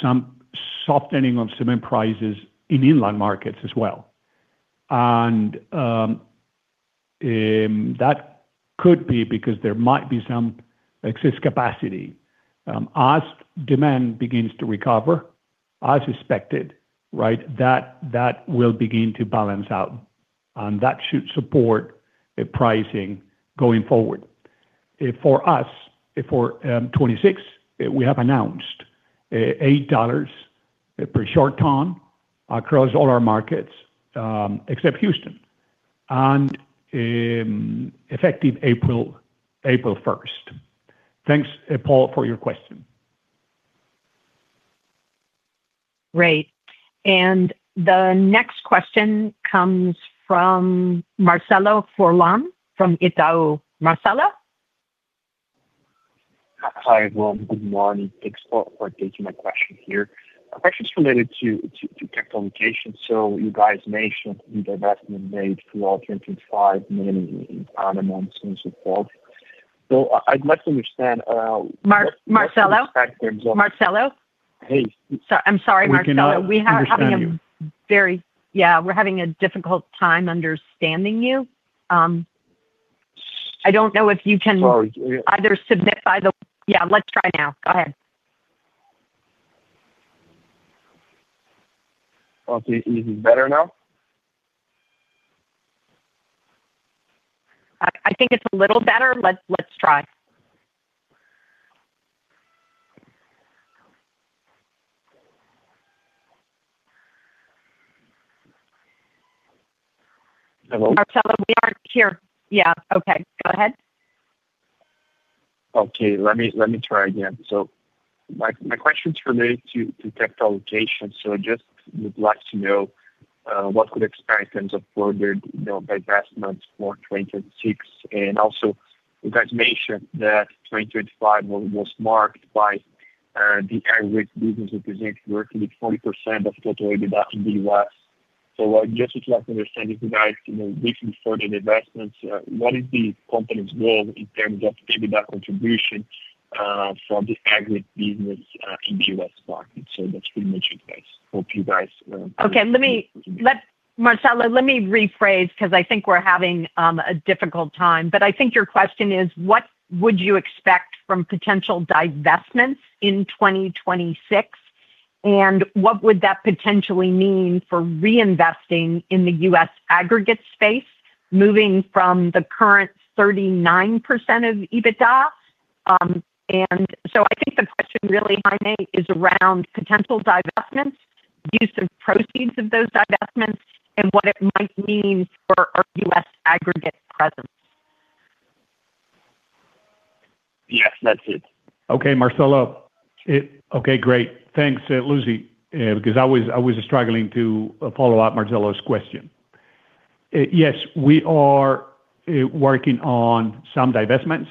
some softening of cement prices in inland markets as well. That could be because there might be some excess capacity. As demand begins to recover, as expected, right? That will begin to balance out, and that should support the pricing going forward. For us, for 2026, we have announced $8 per short ton across all our markets, except Houston, and effective April 1. Thanks, Paul, for your question. Great. And the next question comes from Marcelo Furlan from Itaú. Marcelo? ... Hi, everyone. Good morning. Thanks for taking my question here. My question is related to capital allocation. So you guys mentioned the investment made. So I'd like to understand. Mar- Marcelo? In terms of- Marcelo. Hey. I'm sorry, Marcelo. We cannot understand you. We are having a very-- Yeah, we're having a difficult time understanding you. I don't know if you can- Sorry. Yeah, let's try now. Go ahead. Okay. Is it better now? I think it's a little better. Let's try. Hello? Marcelo, we are here. Yeah, okay. Go ahead. Okay, let me, let me try again. So my, my question is related to, to capital allocation. So just would like to know, what could expect in terms of further, you know, divestments for 2026? And also, you guys mentioned that 2025 was, was marked by, the aggregate business, which is actually working with 40% of total EBITDA in the U.S. So I just would like to understand if you guys, you know, looking for the investments, what is the company's goal in terms of EBITDA contribution, from the aggregate business, in U.S. market? So that's pretty much it, guys. Hope you guys- Okay, let me, Marcelo, let me rephrase because I think we're having a difficult time, but I think your question is, what would you expect from potential divestments in 2026? And what would that potentially mean for reinvesting in the US aggregate space, moving from the current 39% of EBITDA? And so I think the question really, Jaime, is around potential divestments, use of proceeds of those divestments, and what it might mean for our US aggregate presence. Yes, that's it. Okay, Marcelo. Okay, great. Thanks, Lucy, because I was struggling to follow up Marcelo's question. Yes, we are working on some divestments,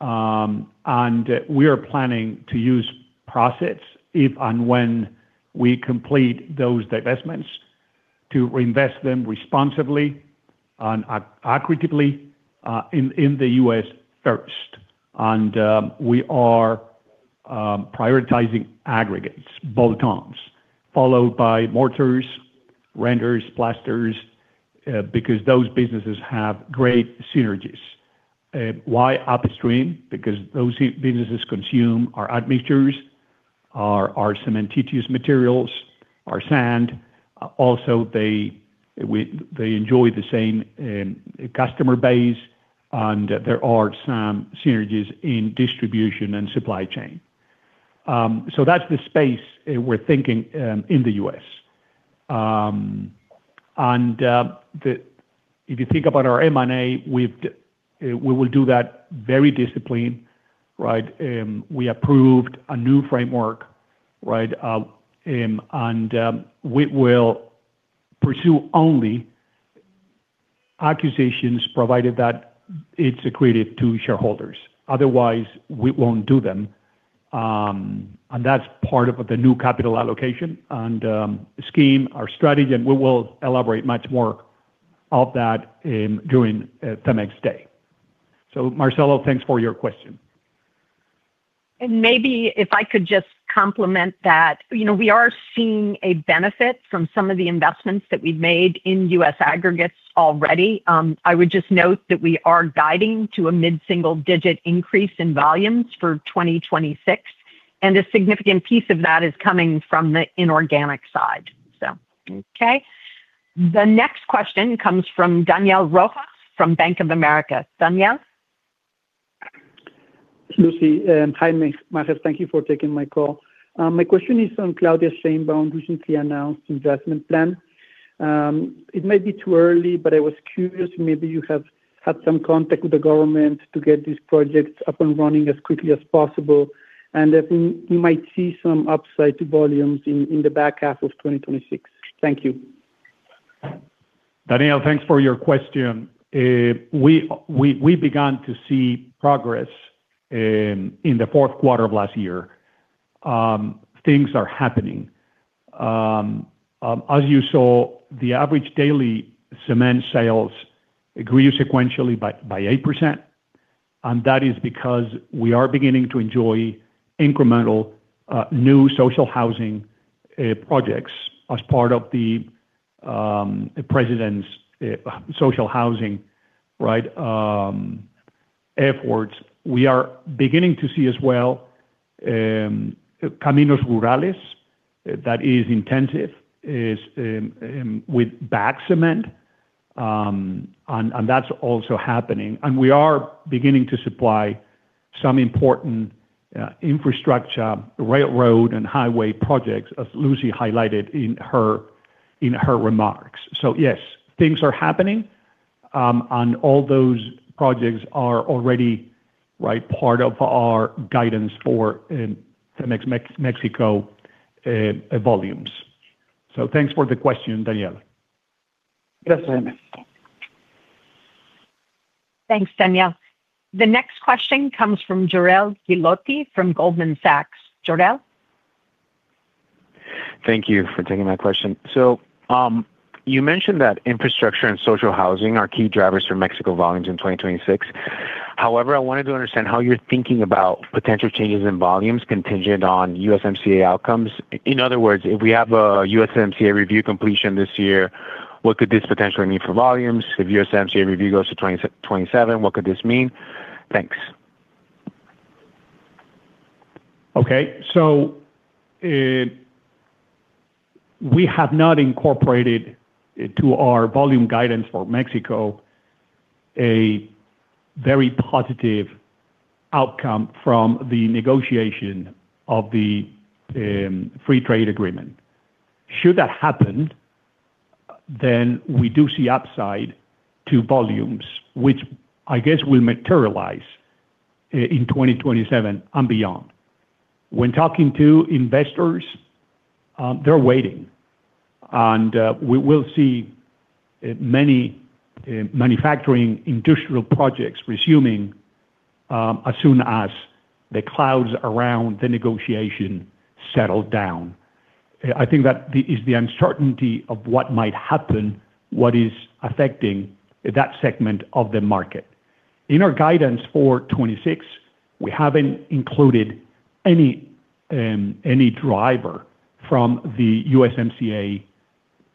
and we are planning to use profits, if and when we complete those divestments, to reinvest them responsibly and accretively, in the US first. And, we are prioritizing aggregates, bolt-ons, followed by mortars, renders, plasters, because those businesses have great synergies. Why upstream? Because those businesses consume our admixtures, our cementitious materials, our sand. Also, they, we, they enjoy the same customer base, and there are some synergies in distribution and supply chain. So that's the space we're thinking in the US. And, the... If you think about our M&A, we've, we will do that very disciplined, right? We approved a new framework, right? We will pursue only acquisitions provided that it's accretive to shareholders. Otherwise, we won't do them. And that's part of the new capital allocation and scheme, our strategy, and we will elaborate much more of that during CEMEX Day. So Marcelo, thanks for your question. Maybe if I could just complement that. You know, we are seeing a benefit from some of the investments that we've made in U.S. aggregates already. I would just note that we are guiding to a mid-single-digit increase in volumes for 2026, and a significant piece of that is coming from the inorganic side. So, okay. The next question comes from Daniel Rojas from Bank of America. Daniel? Lucy, hi, Maher. Thank you for taking my call. My question is on Claudia Sheinbaum's recently announced investment plan. It may be too early, but I was curious, maybe you have had some contact with the government to get these projects up and running as quickly as possible, and if we might see some upside to volumes in the back half of 2026. Thank you. Daniel, thanks for your question. We began to see progress in the fourth quarter of last year. Things are happening. As you saw, the average daily cement sales grew sequentially by 8%, and that is because we are beginning to enjoy incremental new social housing projects as part of the president's social housing, right, efforts. We are beginning to see as well Caminos Rurales, that is intensive with bagged cement, and that's also happening. And we are beginning to supply some important infrastructure, railroad, and highway projects, as Lucy highlighted in her remarks. So yes, things are happening, and all those projects are already, right, part of our guidance for CEMEX Mexico volumes. So thanks for the question, Daniel.... Thanks, Daniel. The next question comes from Jorel Guilloty from Goldman Sachs. Jorel? Thank you for taking my question. So, you mentioned that infrastructure and social housing are key drivers for Mexico volumes in 2026. However, I wanted to understand how you're thinking about potential changes in volumes contingent on USMCA outcomes. In other words, if we have a USMCA review completion this year, what could this potentially mean for volumes? If USMCA review goes to 2027, what could this mean? Thanks. Okay. So, we have not incorporated into our volume guidance for Mexico a very positive outcome from the negotiation of the Free Trade Agreement. Should that happen, then we do see upside to volumes, which I guess will materialize in 2027 and beyond. When talking to investors, they're waiting, and we will see many manufacturing industrial projects resuming as soon as the clouds around the negotiation settle down. I think that the uncertainty of what might happen is affecting that segment of the market. In our guidance for 2026, we haven't included any driver from the USMCA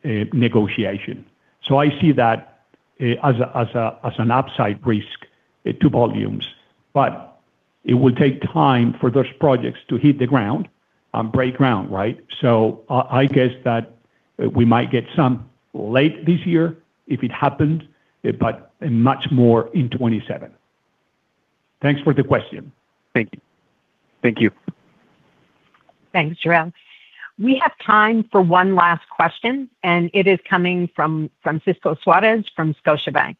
negotiation. So I see that as an upside risk to volumes. But it will take time for those projects to hit the ground and break ground, right? So I guess that we might get some late this year if it happened, but much more in 2027. Thanks for the question. Thank you. Thank you. Thanks, Jorel. We have time for one last question, and it is coming from Francisco Suarez from Scotiabank.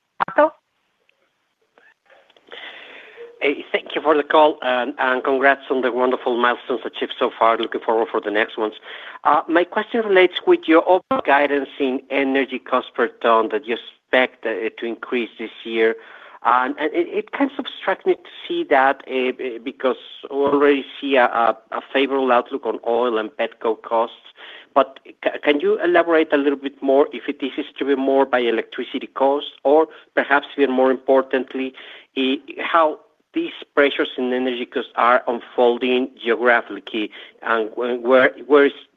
Hey, thank you for the call, and congrats on the wonderful milestones achieved so far. Looking forward for the next ones. My question relates with your overall guidance in energy cost per ton, that you expect to increase this year. It kind of struck me to see that, because we already see a favorable outlook on oil and petcoke costs. But can you elaborate a little bit more, if it is to be more by electricity costs, or perhaps even more importantly, how these pressures in energy costs are unfolding geographically, and where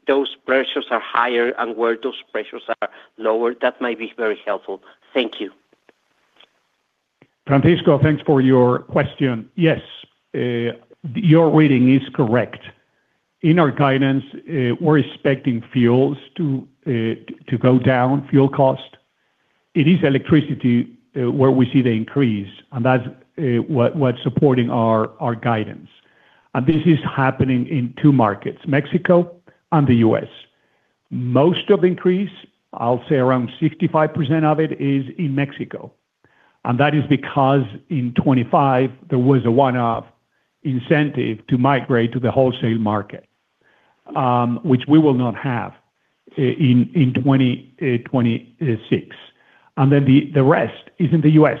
those pressures are higher and where those pressures are lower? That might be very helpful. Thank you. Francisco, thanks for your question. Yes, your reading is correct. In our guidance, we're expecting fuels to go down, fuel cost. It is electricity where we see the increase, and that's what's supporting our guidance. And this is happening in two markets: Mexico and the US. Most of the increase, I'll say around 65% of it, is in Mexico, and that is because in 2025 there was a one-off incentive to migrate to the wholesale market, which we will not have in 2026. And then the rest is in the US,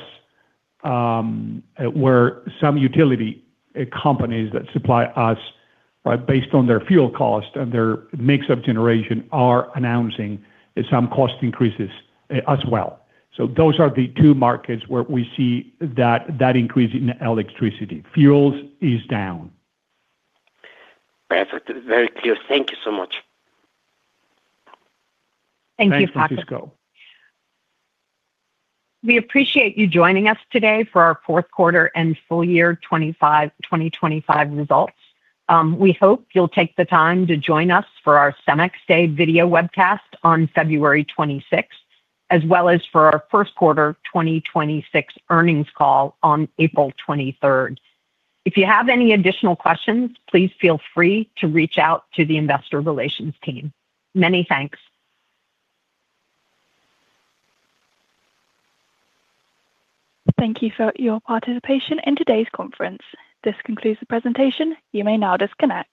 where some utility companies that supply us, right, based on their fuel cost and their mix of generation, are announcing some cost increases as well. So those are the two markets where we see that increase in electricity. Fuels is down. Perfect. Very clear. Thank you so much. Thank you, Francisco. Thanks, Francisco. We appreciate you joining us today for our fourth quarter and full year 2025 results. We hope you'll take the time to join us for our CEMEX Day video webcast on February 26th, as well as for our first quarter 2026 earnings call on April 23rd. If you have any additional questions, please feel free to reach out to the investor relations team. Many thanks. Thank you for your participation in today's conference. This concludes the presentation. You may now disconnect.